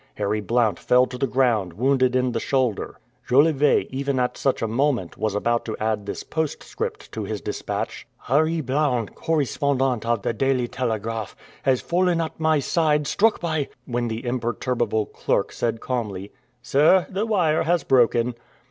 Harry Blount fell to the ground wounded in the shoulder. Jolivet even at such a moment, was about to add this postscript to his dispatch: "Harry Blount, correspondent of the Daily Telegraph, has fallen at my side struck by " when the imperturbable clerk said calmly: "Sir, the wire has broken."